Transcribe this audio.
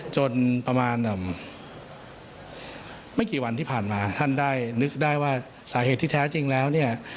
จนประมาณไม่กี่วันที่ผ่านมาท่านได้นึกได้ว่าสาเหตุที่แท้จริงแล้วเนี่ย